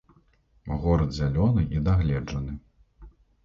Горад зялёны і дагледжаны.